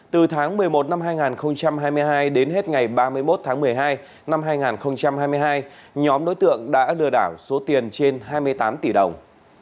từ tháng một mươi một năm hai nghìn hai mươi hai đến hết ngày ba mươi một tháng một mươi hai năm hai nghìn hai mươi hai nhóm đối tượng đã lừa đảo số tiền trên hai mươi tám tỷ đồng